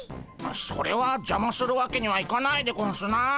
それはじゃまするわけにはいかないでゴンスなあ。